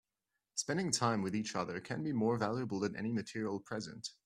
Spending time with each other can be more valuable than any material present.